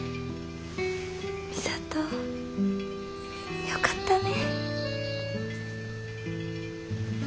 美里よかったね。